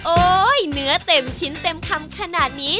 โอ้ยเนื้อเต็มชิ้นเต็มพร้อมขนาดนี้